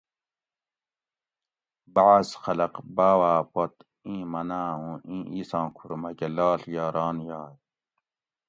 بعض خلق باواۤ پت ایں مناۤں اُوں ایں اِیساں کُھور مکہ لاڷ یا ران یائے